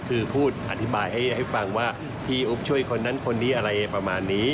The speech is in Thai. คือพูดอธิบายให้ฟังว่าพี่อุ๊บช่วยคนนั้นคนนี้อะไรประมาณนี้